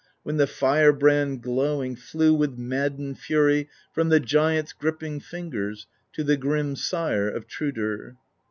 When the fire brand, glowing. Flew with maddened fury From the giant's gripping fingers To the grim Sire of Thrudr.